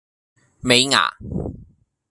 尾禡